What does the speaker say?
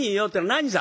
何さ？」。